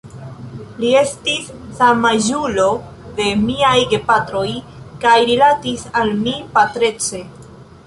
Li estis samaĝulo de miaj gepatroj kaj rilatis al mi patrece.